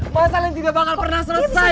masalah yang juga bakal pernah selesai